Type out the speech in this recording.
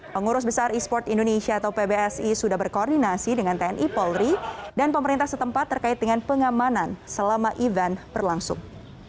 pengurus besar e sport indonesia atau pbsi sudah berkoordinasi dengan tni polri dan pemerintah setempat terkait dengan pengamanan selama event berlangsung